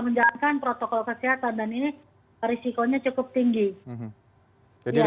menjalankan protokol kesehatan dan ini risikonya cukup tinggi